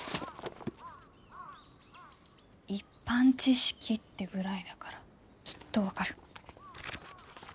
一般知識ってぐらいだからきっと分かる。